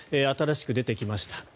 新しく出てきました。